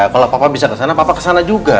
kalau papa bisa ke sana papa ke sana juga